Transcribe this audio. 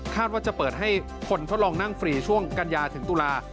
ว่าจะเปิดให้คนทดลองนั่งฟรีช่วงกันยาถึงตุลา